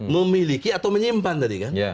memiliki atau menyimpan tadi kan